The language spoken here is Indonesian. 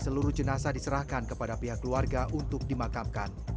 seluruh jenazah diserahkan kepada pihak keluarga untuk dimakamkan